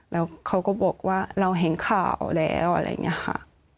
แล้วเขาก็บอกว่าเราเห็นข่าวแล้วอะไรอย่างนี้ค่ะ